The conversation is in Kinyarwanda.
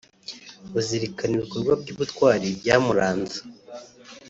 bazirikana ibikorwa by’ubutwari byamuranze